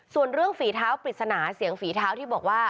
ส่วนเรื่องฝีเท้าปริศนาเสียงฝีเท้าที่บอกว่า